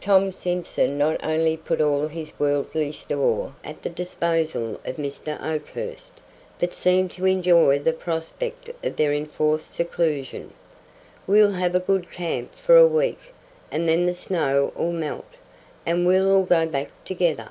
Tom Simson not only put all his worldly store at the disposal of Mr. Oakhurst, but seemed to enjoy the prospect of their enforced seclusion. "We'll have a good camp for a week, and then the snow'll melt, and we'll all go back together."